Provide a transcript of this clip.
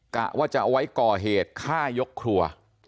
กะว่าจะเอาไว้ก่อเหตุฆ่ายกครัว